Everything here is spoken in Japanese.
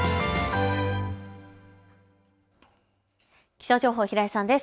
気象情報、平井さんです。